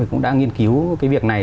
cũng đang nghiên cứu cái việc này